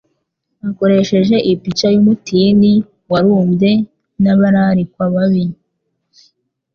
Akoresheje ipica y'umutini warumbye n'abararikwa babi,